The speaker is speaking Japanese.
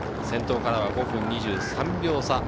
先頭からは５分２３秒差。